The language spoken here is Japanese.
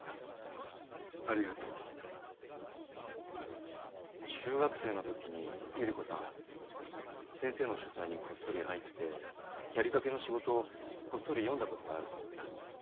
ありがとう。中学生のときにゆり子さん先生の書斎にこっそり入ってやりかけの仕事をこっそり読んだことがあるそうなんです。